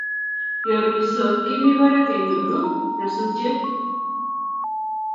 yoruisot Kimi barak kenyor nyasusiet